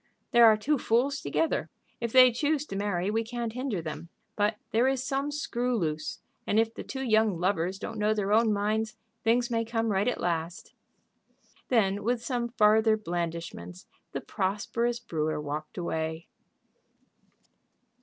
There are two fools together. If they choose to marry we can't hinder them. But there is some screw loose, and if the two young lovers don't know their own minds things may come right at last." Then, with some farther blandishments, the prosperous brewer walked away.